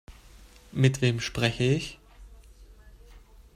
Mit wem spreche ich?